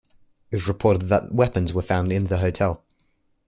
It was reported that weapons were found in the hotel.